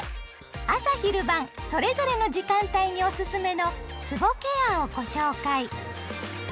朝・昼・晩それぞれの時間帯におすすめのつぼケアをご紹介。